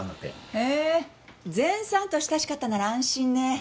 へえ善さんと親しかったなら安心ね。